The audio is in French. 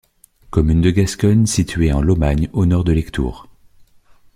Commune de Gascogne située en Lomagne au nord de Lectoure.